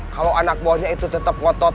kalau anak buahnya itu tetap ngotot